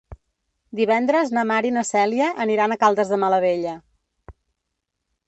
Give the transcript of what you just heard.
Divendres na Mar i na Cèlia aniran a Caldes de Malavella.